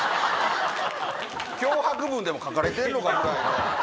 脅迫文でも書かれてんのかみたいな。